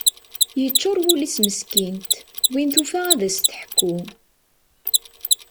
Yeččur wul-is meskint, win tufa ad as-teḥku.